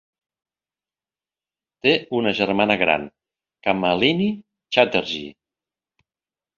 Té una germana gran, Kamalini Chatterjee.